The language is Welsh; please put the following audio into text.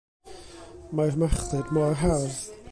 Mae'r machlud mor hardd.